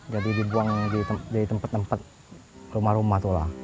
jadi dibuang di tempat tempat rumah rumah itulah